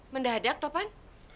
mendadak toho pan